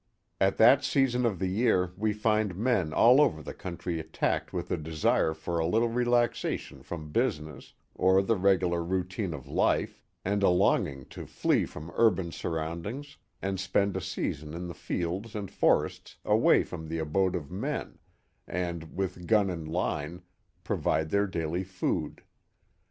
At that season of the year we find men all over the country attacked with a desire for a little relaxation from business or the regular routine of life, and a longing to flee from urban surroundings and spend a season in the fields and forests away from the abode of men, and, with gun and line, provide their daily food.